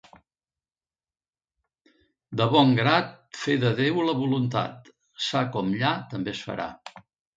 De bon grat fer de Déu la voluntat; ça com lla, també es farà.